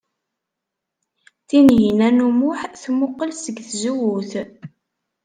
Tinhinan u Muḥ temmuqqel seg tzewwut.